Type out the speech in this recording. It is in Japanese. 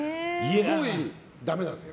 すごいダメなんですよ。